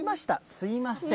すみません。